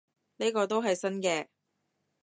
呢個都係新嘅